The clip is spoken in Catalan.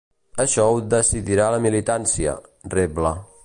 Això ho decidirà la militància, rebla.